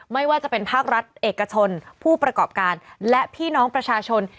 ไม่ว่าจะเป็นภาครัฐเอกชนผู้ประกอบการและพี่น้องประชาชน